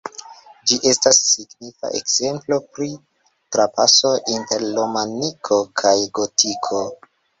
Ĝi estas signifa ekzemplo pri trapaso inter romaniko kaj gotiko.